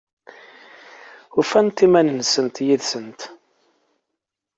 Ufant iman-nsent yid-sent?